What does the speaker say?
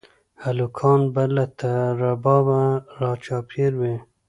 هلکان به له ربابه راچاپېر وي